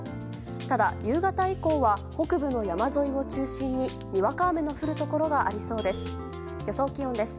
ただ、夕方以降は北部の山沿いを中心ににわか雨の降るところがありそうです。